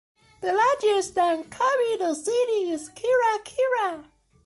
The largest and capital city is Kirakira.